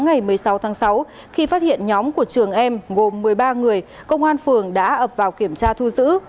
ngày một mươi sáu tháng sáu khi phát hiện nhóm của trường em gồm một mươi ba người công an phường đã ập vào kiểm tra thu giữ